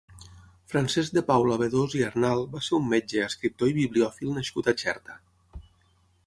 Francesc de Paula Bedós i Arnal va ser un metge, escriptor i bibliòfil nascut a Xerta.